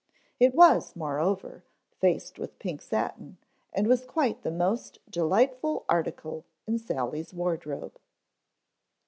It was, moreover, faced with pink satin, and was quite the most delightful article in Sally's wardrobe.